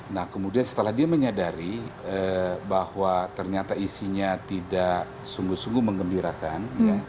nah kemudian setelah dia menyadari bahwa ternyata isinya tidak sungguh sungguh mengembirakan